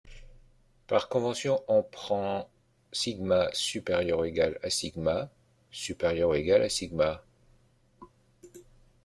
Par convention, on prend σ ≥ σ ≥ σ.